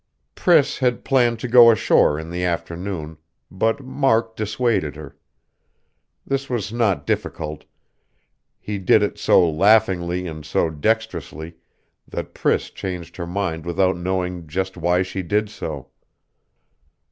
Priss had planned to go ashore in the afternoon; but Mark dissuaded her. This was not difficult; he did it so laughingly and so dextrously that Priss changed her mind without knowing just why she did so.